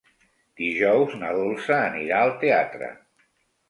Dijous na Dolça anirà al teatre.